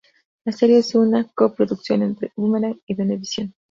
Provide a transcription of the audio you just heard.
La serie es una co-producción entre Boomerang y Venevisión.